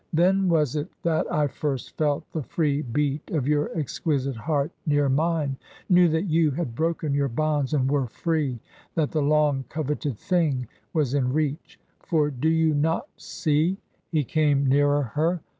Then was it that I first felt the free beat of your exquisite heart near mine — knew that you had broken your bonds and were free :— ^that the long coveted thing was in reach. For do you not see " He came nearer her.